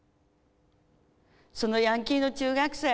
そのヤンキーの中学生